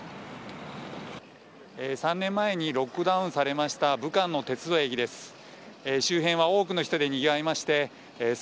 ３年前にロックダウンされた武漢の鉄道駅です。